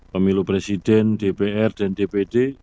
pemilu presiden dpr dan dpd